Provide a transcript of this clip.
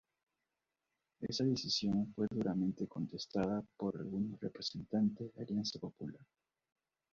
Esa decisión fue duramente contestada por algunos representantes de Alianza Popular.